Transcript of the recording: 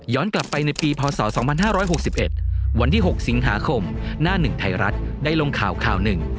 กลับไปในปีพศ๒๕๖๑วันที่๖สิงหาคมหน้าหนึ่งไทยรัฐได้ลงข่าวข่าวหนึ่ง